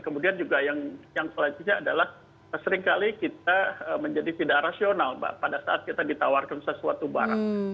kemudian juga yang selanjutnya adalah seringkali kita menjadi tidak rasional mbak pada saat kita ditawarkan sesuatu barang